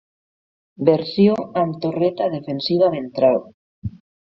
Versió amb torreta defensiva ventral.